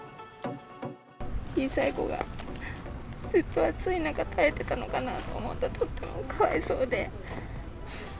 小さい子がずっと暑い中、耐えてたのかなと思うと、とってもかわいそうで。